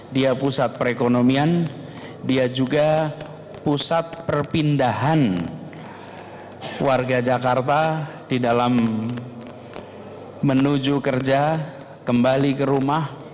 dia pusat perekonomian dia juga pusat perpindahan warga jakarta di dalam menuju kerja kembali ke rumah